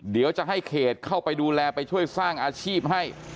เดี๋ยวจะให้เขตเข้าไปดูแลไปช่วยสร้างอาชีพให้